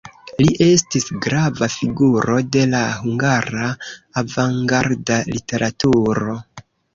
Li estis grava figuro de la hungara avangarda literaturo.